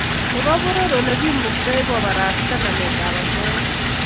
Nebo poror olekimuktoi kobarasta nametab osoya